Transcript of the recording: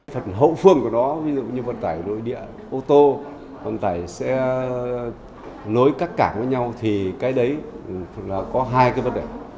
phần hậu phương của nó ví dụ như vận tải nội địa ô tô vận tải xe nối các cảng với nhau thì cái đấy là có hai cái vấn đề